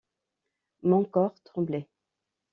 Mon corps tremblait.